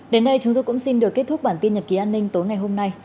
đến đây chúng tôi cũng xin được kết thúc bản tin nhật ký an ninh tối ngày hôm nay